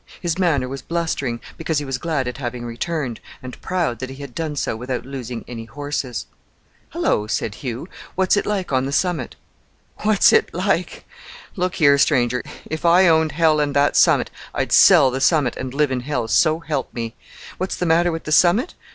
His manner was blustering, because he was glad at having returned, and proud that he had done so without losing any horses. "Hello," said Hugh, "what's it like on the summit?" "What's it like! Look here, stranger, if I owned hell and that summit, I'd sell the summit and live in hell, so help me! What's the matter with the summit?